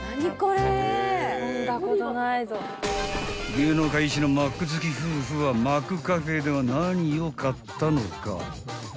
［芸能界一のマック好き夫婦はマックカフェでは何を買ったのか］